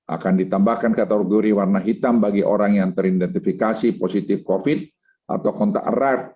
akan ditambahkan kategori warna hitam bagi orang yang teridentifikasi positif covid atau kontak erat